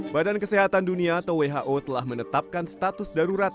badan kesehatan dunia atau who telah menetapkan status darurat